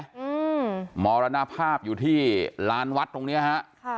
อืมมรณภาพอยู่ที่ลานวัดตรงเนี้ยฮะค่ะ